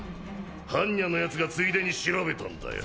般若のやつがついでに調べたんだよ。